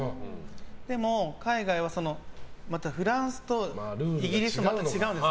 でも海外は、フランスとイギリスでまた違うんです。